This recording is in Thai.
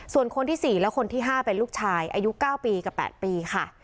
ส่วนคนที่สี่แล้วคนที่ห้าเป็นลูกชายอายุเก้าปีกับแปดปีค่ะ